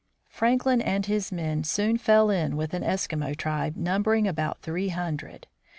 Franklin and his men soon fell in with an Eskimo tribe numbering about three hundred.